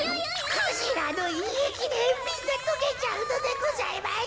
クジラのいえきでみんなとけちゃうのでございます。